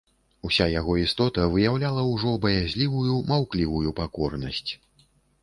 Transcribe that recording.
Уся яго істота выяўляла ўжо баязлівую, маўклівую пакорнасць.